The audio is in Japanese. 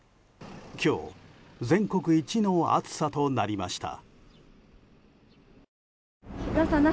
今日全国一の暑さとなりました。